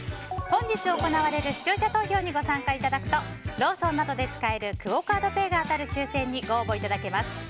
本日行われる視聴者投票にご参加いただくとローソンなどで使えるクオ・カードペイが当たる抽選に、ご応募いただけます。